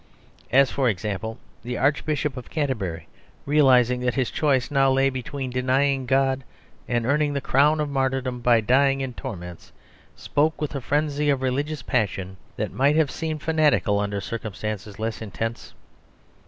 As, for example: "The Archbishop of Canterbury, realising that his choice now lay between denying God and earning the crown of martyrdom by dying in torments, spoke with a frenzy of religious passion that might have seemed fanatical under circumstances less intense.